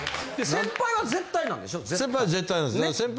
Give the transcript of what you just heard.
先輩は絶対なんです。